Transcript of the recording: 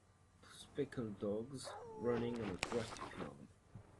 Two speckled dogs running on a grassy field.